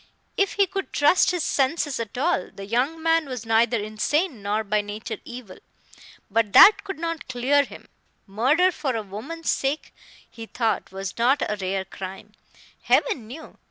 If he could trust his senses at all, the young man was neither insane nor by nature evil. But that could not clear him. Murder for a woman's sake, he thought, was not a rare crime, Heaven knew!